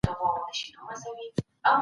زه هره ورځ د سبا لپاره د هنرونو تمرين کوم.